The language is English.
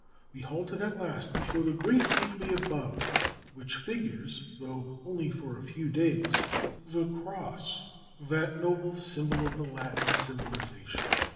We halted at last before the great gateway above which figures, though only for a few days, the cross, that noble symbol of the Latin civilization.